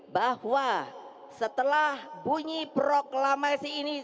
bahwa setelah bunyi proklamasi ini